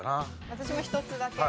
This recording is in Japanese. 私も１つだけ。